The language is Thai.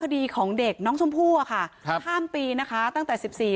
คดีของเด็กน้องชมพู่อะค่ะครับข้ามปีนะคะตั้งแต่สิบสี่